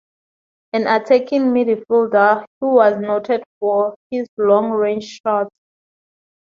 An attacking midfielder, he was noted for his long-range shots.